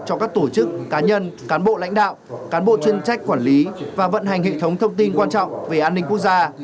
cho các tổ chức cá nhân cán bộ lãnh đạo cán bộ chuyên trách quản lý và vận hành hệ thống thông tin quan trọng về an ninh quốc gia